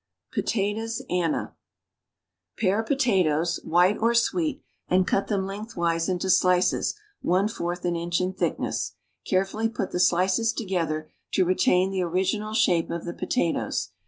36 POTATOES ANNA Pare potatoes (white or sweet) and cut them leiif^thwise into slices one fourth an inch in tliickness; carefully put the slices loKclher lo retain the original shape of the potatoes.